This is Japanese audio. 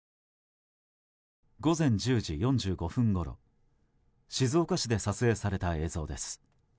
午前１０時４５分ごろ静岡市で撮影された映像です。